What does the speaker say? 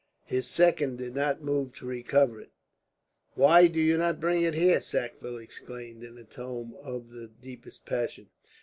His second did not move to recover it. "Why do you not bring it here?" Sackville exclaimed, in a tone of the deepest passion.